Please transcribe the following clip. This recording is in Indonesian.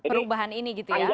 perubahan ini gitu ya